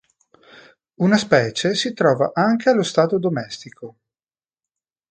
Una specie si trova anche allo stato domestico.